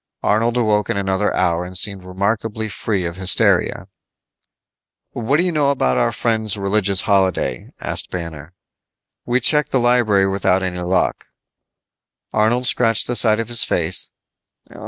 Arnold awoke in another hour and seemed remarkably free of hysteria. "What do you know about our friends' religious holiday?" asked Banner. "We checked the library without any luck." Arnold scratched the side of his face.